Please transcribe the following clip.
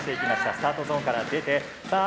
スタートゾーンから出てさあ